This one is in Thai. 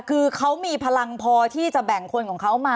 คือเขามีพลังพอที่จะแบ่งคนของเขามา